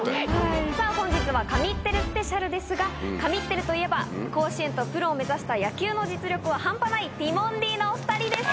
本日は神ってるスペシャルですが神ってるといえば甲子園とプロを目指した野球の実力は半端ないティモンディのお２人です。